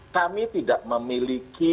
kami tidak memiliki